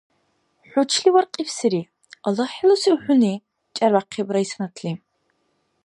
— ХӀу чили варкьибсири? Аллагь хӀелусив хӀуни?! — чӀярбяхъиб Райсанатли.